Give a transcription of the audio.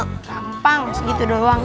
gampang segitu doang